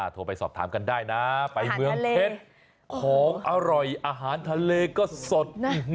โทรไปสอบถามกันได้นะไปเมืองเพชรของอร่อยอาหารทะเลก็สด